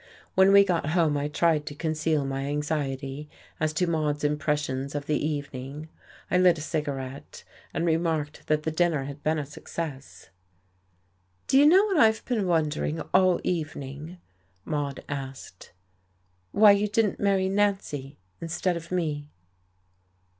When we got home I tried to conceal my anxiety as to Maude's impressions of the evening. I lit a cigarette, and remarked that the dinner had been a success. "Do you know what I've been wondering all evening?" Maude asked. "Why you didn't marry Nancy instead of me."